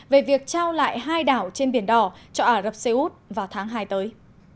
về việc trao lại hai đảo trên biển đỏ cho ả rập xê út vào tháng hai tới